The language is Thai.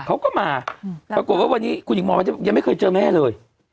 เขาก็มาปรากฏว่าวันนี้คุณหญิงหมอยังไม่เคยเจอแม่เลย